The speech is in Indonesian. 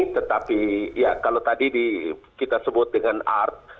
tetapi ya kalau tadi kita sebut dengan art